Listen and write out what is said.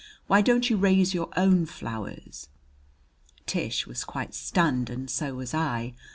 Why don't you raise your own flowers?" Tish was quite stunned and so was I.